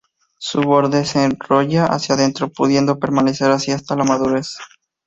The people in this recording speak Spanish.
Su borde se enrolla hacia dentro, pudiendo permanecer así hasta la madurez.